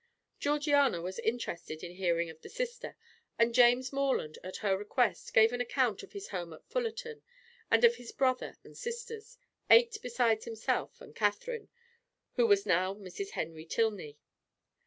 Georgiana was interested in hearing of the sister, and James Morland at her request gave an account of his home at Fullerton, and of his brother and sisters, eight besides himself and Catherine, who was now Mrs. Henry Tilney.